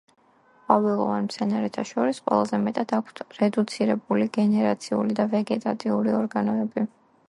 ყვავილოვან მცენარეთა შორის ყველაზე მეტად აქვთ რედუცირებული გენერაციული და ვეგეტატიური ორგანოები.